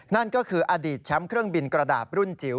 นั่นก็คืออดีตแชมป์เครื่องบินกระดาษรุ่นจิ๋ว